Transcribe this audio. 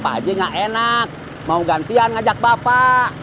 ini apa aja gak enak mau gantian ngajak bapak